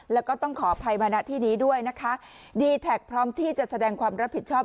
แล้วก็ต้องขออภัยมาณที่นี้ด้วยนะคะดีแท็กพร้อมที่จะแสดงความรับผิดชอบ